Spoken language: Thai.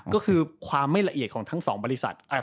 ก็คือความไม่ละเอียดของทั้งสองบริษัท